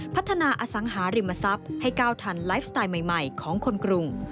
พัฒนาอสังหาริมทรัพย์ให้ก้าวทันไลฟ์สไตล์ใหม่ของคนกรุง